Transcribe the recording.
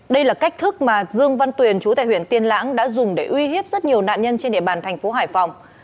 đây là cách thức mà dương văn tuyền chú tại huyện tiên lãng đã dùng để uy hiếp rất nhiều nạn nhân trên địa bàn thành phố hải phòng